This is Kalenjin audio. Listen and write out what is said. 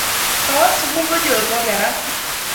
Kawo sukul konyor ko kerat